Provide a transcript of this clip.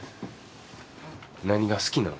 何が好きなん？